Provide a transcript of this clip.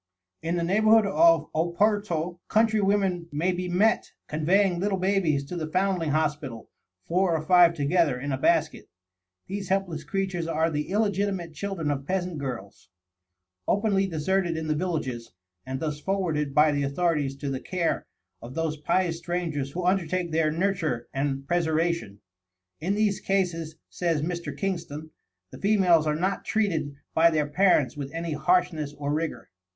In the neighborhood of Oporto, country women may be met conveying little babies to the Foundling Hospital, four or five together, in a basket. These helpless creatures are the illegitimate children of peasant girls, openly deserted in the villages, and thus forwarded by the authorities to the care of those pious strangers who undertake their nurture and preservation. In these cases, says Mr. Kingston, the females are not treated by their parents with any harshness or rigor.